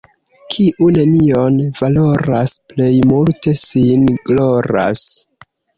Kiu nenion valoras, plej multe sin gloras.